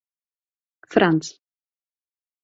Franz.